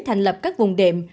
thành lập các vùng đệm